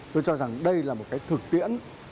tôi cho rằng đây là một cái thực tiễn